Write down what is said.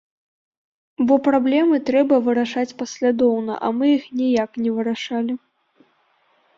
Бо праблемы трэба вырашаць паслядоўна, а мы іх ніяк не вырашалі.